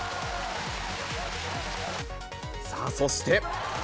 さあそして。